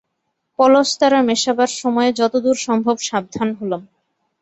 পলস্তারা মেশাবার সময়ে যতদূর সম্ভব সাবধান হলাম।